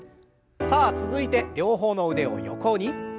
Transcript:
さあ続いて両方の腕を横に。